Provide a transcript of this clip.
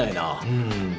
うん。